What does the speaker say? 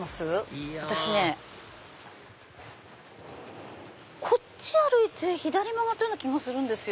いやこっち歩いて左曲がったような気がするんですよ。